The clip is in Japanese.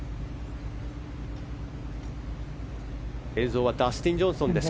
映像はダスティン・ジョンソンです。